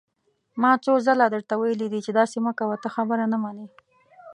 ما څو ځله درته ويلي دي چې داسې مه کوه، ته خبره نه منې!